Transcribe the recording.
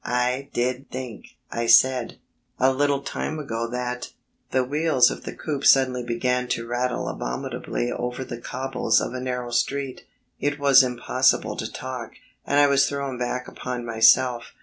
"I did think," I said, "a little time ago that ..." The wheels of the coupe suddenly began to rattle abominably over the cobbles of a narrow street. It was impossible to talk, and I was thrown back upon myself.